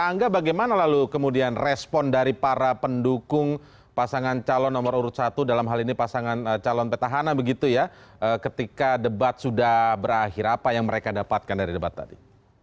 angga bagaimana lalu kemudian respon dari para pendukung pasangan calon nomor urut satu dalam hal ini pasangan calon petahana begitu ya ketika debat sudah berakhir apa yang mereka dapatkan dari debat tadi